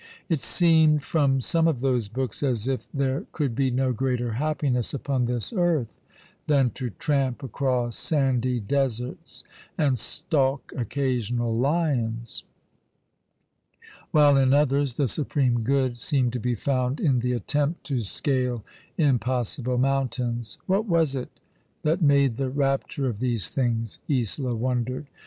It seemed from some of those books as if there could be no greater happiness upon this earth than to tramp across sandy deserts and stalk occasional lions; while in others the supreme good seemed to be found in the attempt to scale impossible mountains. What was it that made the rapture of these things? Isola wondered.